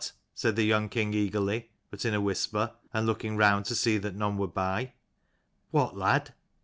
" said the young king eagerly, but in a whisper, and looking round to see that none were by. " What, lad